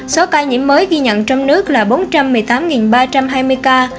số ca nhiễm mới ghi nhận trong nước là bốn trăm một mươi tám ba trăm hai mươi ca